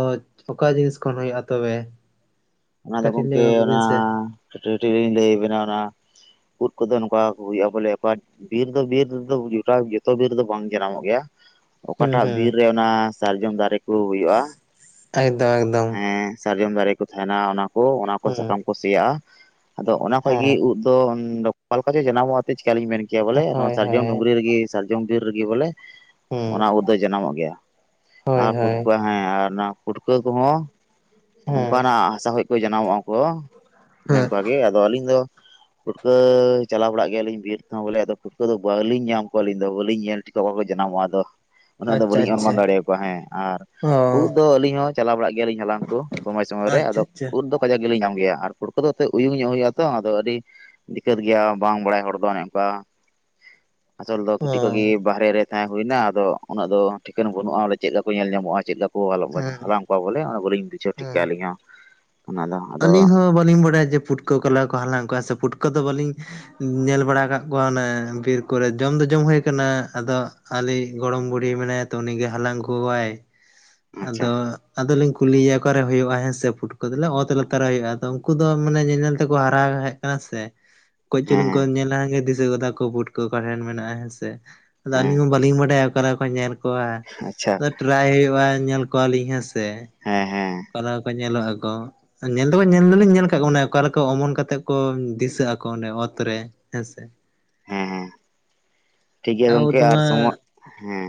ᱚᱠᱟ ᱡᱤᱱᱤᱥ ᱠᱷᱚᱱ ᱦᱩᱭᱩᱜ-ᱟ ᱛᱚᱵᱮ ᱚᱱᱟ ᱫᱚ ᱠᱟᱹᱴᱤᱡ ᱞᱟᱹᱭ ᱜᱚᱢᱠᱮ ᱜᱚᱫ ᱚᱱᱟ ᱵᱤᱱ ᱥᱮ ᱠᱟᱹᱴᱤᱡ ᱠᱟᱹᱴᱤᱡ ᱞᱤᱧ ᱞᱟᱹᱭᱟᱵᱮᱱᱟ ᱚᱱᱟ ᱩᱫ ᱠᱚᱫᱚ ᱱᱚᱝᱠᱟ ᱦᱩᱭᱩᱜ-ᱟ ᱵᱚᱞᱮ ᱯᱟᱴ ᱵᱤᱨ ᱫᱚ ᱵᱤᱨ ᱨᱮᱫᱚ ᱡᱚᱴᱟ ᱡᱚᱛᱚ ᱵᱤᱨ ᱨᱮᱫᱚ ᱵᱟᱝ ᱡᱟᱱᱟᱢᱚᱜ ᱜᱮᱭᱟ ᱦᱩᱸ ᱚᱠᱟᱴᱟᱜ ᱦᱩᱸ ᱵᱤᱨ ᱨᱮ ᱚᱱᱟ ᱥᱟᱨᱡᱚᱢ ᱫᱟᱨᱮ ᱠᱚ ᱦᱩᱭᱩᱜ-ᱟ ᱮᱠᱫᱚᱢ ᱮᱠᱫᱚᱢ ᱦᱮᱸ ᱥᱟᱨᱡᱚᱢ ᱫᱟᱨᱮ ᱠᱚ ᱛᱟᱦᱮᱱᱟ ᱚᱱᱟ ᱠᱚ ᱚᱱᱟ ᱠᱚ ᱦᱩᱸ ᱥᱟᱠᱟᱢ ᱠᱚ ᱥᱤᱭᱟᱜ-ᱟ ᱟᱫᱚ ᱚᱱᱟ ᱠᱷᱚᱡ ᱜᱮ ᱦᱮᱸ ᱩᱫ ᱫᱚ ᱚᱠᱟ ᱞᱮᱠᱟ ᱪᱚ ᱡᱟᱱᱟᱢᱚᱜ-ᱟ ᱟᱫᱚ ᱪᱮᱠᱟᱞᱤᱧ ᱢᱮᱱ ᱠᱮ ᱠᱮᱭᱟ ᱵᱚᱞᱮ ᱦᱳᱭ ᱥᱟᱨᱡᱚᱢ ᱦᱳᱭ ᱰᱩᱝᱨᱤ ᱨᱮᱜᱮ ᱥᱟᱨᱡᱚᱢ ᱵᱤᱨ ᱨᱮᱜᱮ ᱵᱚᱞᱮ ᱦᱩᱸ ᱚᱱᱟ ᱩᱫ ᱫᱚ ᱡᱟᱱᱟᱢᱚᱜ ᱜᱮᱭᱟ ᱦᱳᱭ ᱟᱨ ᱦᱳᱭ ᱯᱩᱴᱠᱟᱹ ᱦᱮ ᱟᱨ ᱚᱱᱟ ᱯᱩᱴᱠᱟᱹ ᱠᱚᱦᱚᱸ ᱦᱮᱸ ᱚᱱᱠᱟᱱᱟᱜ ᱦᱟᱥᱟ ᱠᱷᱚᱱ ᱠᱚ ᱡᱟᱱᱟᱢᱚᱜᱼᱟ ᱠᱚ ᱚᱱᱮ ᱦᱮᱸ ᱚᱱᱠᱟᱜ ᱜᱮ ᱟᱫᱚ ᱟᱹᱞᱤᱧ ᱫᱚ ᱯᱷᱩᱴᱠᱟᱹ ᱪᱟᱞᱟᱣ ᱵᱟᱲᱟᱜ ᱜᱮᱭᱟᱞᱤᱧ ᱵᱤᱨ ᱛᱮᱦᱚᱸ ᱵᱚᱞᱮ ᱟᱫᱚ ᱯᱩᱴᱠᱟᱹ ᱫᱚ ᱵᱟᱹᱞᱤᱧ ᱧᱟᱢ ᱠᱚᱣᱟ ᱟᱹᱞᱤᱧ ᱫᱚ ᱵᱟᱹᱞᱤᱧ ᱧᱮᱞ ᱴᱷᱤᱠ ᱠᱚᱣᱟ ᱚᱠᱟᱠᱚ ᱡᱟᱱᱟᱢᱚᱜ-ᱟ ᱟᱫᱚ ᱩᱱᱟᱹᱜ ᱫᱚ ᱟᱪᱪᱷᱟ ᱵᱟᱹᱞᱤᱧ ᱚᱱᱢᱟᱱ ᱟᱪᱪᱷᱟ ᱫᱟᱲᱮᱭᱟᱠᱚᱣᱟ ᱦᱮᱸ ᱟᱨ ᱚ ᱩᱫ ᱫᱚ ᱟᱹᱞᱤᱧ ᱦᱚᱸ ᱪᱟᱞᱟᱣ ᱵᱟᱲᱟᱜ ᱜᱮᱭᱟᱞᱤᱧ ᱦᱟᱞᱟᱝ ᱠᱚ ᱥᱚᱢᱳᱭ ᱥᱚᱢᱚᱭ ᱨᱮ ᱟᱪᱪᱷᱟ ᱟᱫᱚ ᱟᱪᱪᱷᱟ ᱩᱫ ᱫᱚ ᱠᱟᱡᱟᱠ ᱜᱮᱞᱤᱧ ᱧᱟᱢ ᱜᱮᱭᱟ ᱟᱨ ᱯᱩᱴᱠᱟᱹ ᱠᱚᱫᱚ ᱮ ᱩᱭᱩᱝ ᱧᱚᱜ ᱦᱩᱭᱩᱜᱼᱟ ᱛᱚ ᱟᱫᱚ ᱟᱹᱰᱤ ᱫᱤᱠᱠᱟᱹᱛ ᱜᱮᱭᱟ ᱵᱟᱝ ᱵᱟᱲᱟᱭ ᱦᱚᱲ ᱫᱚ ᱚᱱᱮ ᱚᱱᱠᱟ ᱟᱥᱚᱞ ᱫᱚ ᱠᱟᱹᱴᱤᱡ ᱠᱷᱚᱱᱚᱡ ᱜᱮ ᱚ ᱵᱟᱦᱨᱮ ᱨᱮ ᱛᱟᱦᱮᱸ ᱦᱩᱭᱱᱟ ᱟᱫᱚ ᱩᱱᱟᱹᱜ ᱫᱚ ᱴᱷᱤᱠᱟᱹᱱ ᱵᱟᱹᱱᱩᱜᱼᱟ ᱚᱸᱰᱮ ᱪᱮᱫ ᱞᱮᱠᱟ ᱠᱚ ᱧᱮᱞ ᱧᱟᱢᱚᱜᱼᱟ ᱪᱮᱫ ᱞᱮᱠᱟ ᱚ ᱟᱞᱚᱜ ᱵᱟᱪᱷᱟᱶ ᱦᱮᱸ ᱦᱟᱞᱟᱝ ᱠᱚᱣᱟ ᱵᱚᱞᱮ ᱚᱱᱟ ᱵᱚᱞᱤᱧ ᱵᱩᱷᱟᱹᱣ ᱴᱷᱤᱠᱟᱹ ᱦᱮᱸ ᱟᱞᱤᱧ ᱦᱚᱸ ᱚᱱᱟ ᱫᱚ ᱟᱫᱚ ᱟᱹᱞᱤᱧ ᱦᱚᱸ ᱵᱟᱹᱞᱤᱧ ᱵᱟᱰᱟᱭᱟ ᱡᱮ ᱯᱩᱴᱠᱟᱹ ᱚᱠᱟ ᱞᱮᱠᱟ ᱠᱚ ᱦᱟᱞᱟᱝ ᱠᱚᱣᱟ ᱥᱮ ᱯᱩᱴᱠᱟᱹ ᱫᱚ ᱵᱟᱹᱞᱤᱧ ᱧᱮᱞ ᱵᱟᱲᱟ ᱟᱠᱟᱫ ᱠᱚᱣᱟ ᱚᱱᱮ ᱵᱤᱨ ᱠᱚᱨᱮ ᱡᱚᱢ ᱫᱚ ᱡᱚᱢ ᱦᱩᱭ ᱠᱟᱱᱟ ᱟᱫᱚ ᱟᱞᱤᱭᱤᱡ ᱜᱚᱲᱚᱢ ᱵᱩᱲᱦᱤ ᱢᱮᱱᱟᱭᱟ ᱛᱚ ᱩᱱᱤᱜᱮ ᱦᱟᱞᱟᱝ ᱟᱜᱩ ᱠᱚᱣᱟᱭ [inaudible] ᱟᱫᱚ ᱟᱫᱚ ᱞᱤᱧ ᱠᱩᱞᱤᱭᱮᱭᱟ ᱚᱠᱟᱨᱮ ᱦᱩᱭᱩᱜᱼᱟ ᱦᱮᱸ ᱥᱮ ᱯᱩᱴᱠᱟᱹ ᱫᱚ ᱟᱫᱚ ᱞᱮᱭᱟ ᱚᱛ ᱨᱮ ᱛᱟᱨᱟ ᱦᱩᱭᱩᱜᱼᱟ ᱛᱚ ᱩᱱᱠᱩ ᱫᱚ ᱢᱟᱱᱮ ᱧᱮᱞ ᱧᱮᱞ ᱛᱮᱠᱚ ᱦᱟᱨᱟ ᱦᱮᱡ ᱠᱟᱱᱟ ᱥᱮ ᱠᱚᱡ ᱪᱩᱞᱩᱝ ᱠᱚ ᱦᱮᱸ ᱧᱮᱞᱟ ᱜᱮ ᱫᱤᱥᱟᱹ ᱜᱚᱫᱟ ᱠᱚ ᱯᱩᱴᱠᱟᱹ ᱚᱠᱟ ᱴᱷᱮᱱ ᱢᱮᱱᱟᱜᱼᱟ ᱦᱮᱸᱥᱮ ᱟᱫᱚ ᱦᱮᱸ ᱟᱹᱞᱤᱧ ᱢᱟ ᱵᱟᱹᱞᱤᱧ ᱵᱟᱰᱟᱭᱟ ᱚᱠᱟ ᱞᱮᱠᱟ ᱠᱚ ᱧᱮᱞ ᱠᱚᱣᱟ ᱟᱪᱪᱷᱟ [unintelligible] ᱦᱩᱭᱩᱜᱼᱟ ᱧᱮᱞ ᱠᱚᱣᱟᱞᱤᱧ ᱦᱮᱸ ᱥᱮ ᱦᱮᱸ ᱦᱮᱸ ᱚᱠᱟ ᱞᱮᱠᱟ ᱠᱚ ᱧᱮᱞᱚᱜ ᱟᱠᱚ ᱧᱮᱞ ᱫᱚ ᱧᱮᱞ ᱫᱚᱞᱤᱧ ᱧᱮᱞ ᱠᱟᱜ ᱠᱚᱣᱟ ᱚᱱᱮ ᱚᱠᱟᱞᱮᱠᱟ ᱚᱢᱚᱱ ᱠᱟ ᱠᱟᱛᱮᱫ ᱠᱚ ᱫᱤᱥᱟᱹᱜ ᱟᱠᱚ ᱚᱸᱰᱮ ᱚᱛ ᱨᱮ ᱦᱮᱸ ᱥᱮ ᱦᱮᱸ ᱦᱮᱸ ᱴᱷᱤᱠ ᱜᱮᱭᱟ ᱟ ᱩᱫ ᱜᱚᱝᱠᱮ ᱟᱨ ᱢᱟ ᱥᱚᱢᱚᱭ ᱦᱮᱸ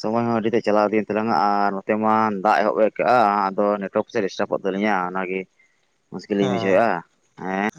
ᱥᱚᱢᱚᱭ ᱦᱚᱸ ᱟᱹᱰᱤᱴᱟ ᱪᱟᱞᱟᱣ ᱤᱫᱤᱭᱮᱱ ᱛᱟᱞᱟᱝᱼᱟ ᱟᱨ ᱱᱚᱛᱮ ᱢᱟ ᱫᱟᱜ ᱮᱦᱚᱵ ᱮ ᱟᱠᱟᱟᱜᱼᱟ ᱟᱫᱚ ᱯᱷᱨᱚᱠ ᱥᱮ ᱰᱤᱥᱴᱟᱯᱚᱜ ᱛᱟᱹᱟᱞᱤᱧᱟ ᱚᱱᱟᱜᱮ ᱢᱩᱥᱠᱤᱞ ᱚ ᱞᱤᱧ ᱵᱩᱡᱷᱟᱹᱣᱮᱫᱼᱟ ᱦᱮᱸ